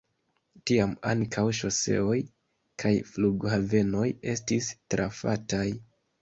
Tiam ankaŭ ŝoseoj kaj flughavenoj estis trafataj.